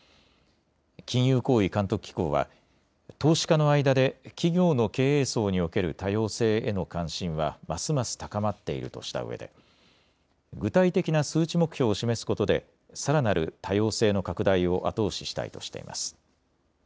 金融行為監督機構は投資家の間で企業の経営層における多様性への関心はますます高まっているとしたうえで具体的な数値目標を示すことでさらなる多様性の拡大を後押ししたいとしています。